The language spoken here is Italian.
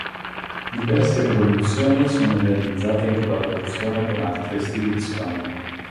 Diverse produzioni sono realizzate in collaborazione con altre istituzioni.